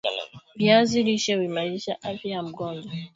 Viazi lishe huimarisha afya ya mgojwa